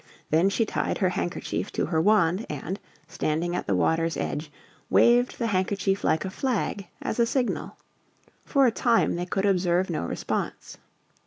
Then she tied her handkerchief to her wand and, standing at the water's edge, waved the handkerchief like a flag, as a signal. For a time they could observe no response.